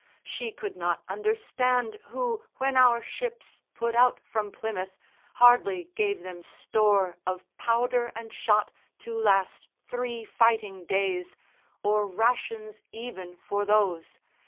She could not understand who, when our ships Put out from Plymouth, hardly gave them store Of powder and shot to last three fighting days, Or rations even for those.